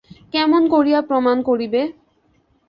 কেমন করিয়া প্রমাণ করিবে?